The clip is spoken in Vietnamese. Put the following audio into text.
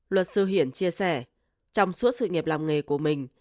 luật sư hiển chia sẻ trong suốt sự nghiệp làm nghề của mình